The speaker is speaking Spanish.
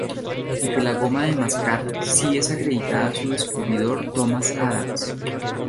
Aunque la goma de mascar, si es acreditada a su descubridor, Thomas Adams.